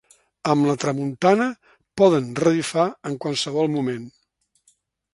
Amb la tramuntana poden revifar en qualsevol moment.